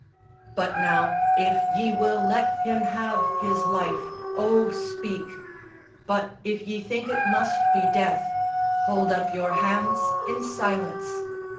But now, if ye will let him have his life, Oh, speak! But, if ye think it must be death, Hold up your hands in silence!"